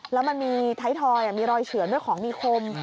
แล้วมันมีท้ายทอยมีรอยเฉือนด้วยของมีคม